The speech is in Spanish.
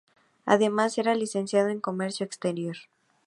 Además era licenciado en Comercio Exterior.